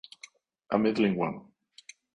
A middling one?